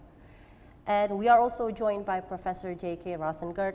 dan kami juga ditemui oleh prof j k rosengert